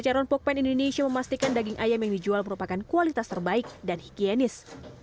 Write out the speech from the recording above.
charon pokpen indonesia memastikan daging ayam yang dijual merupakan kualitas terbaik dan higienis